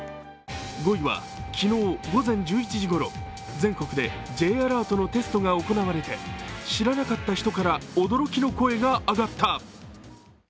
５位は昨日午前１１時ごろ、全国でＪアラートのテストが行われて、知らなかった人から驚きの声が上がった。